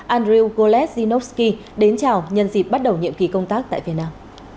andrew golesz zinowski đến chào nhân dịp bắt đầu nhiệm kỳ công tác tại việt nam